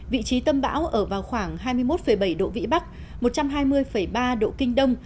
vị trí tâm bão ở vào khoảng hai mươi một bảy độ vĩ bắc một trăm hai mươi ba độ kinh đông